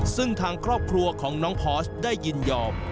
ซึ่งทางครอบครัวของน้องพอสได้ยินยอม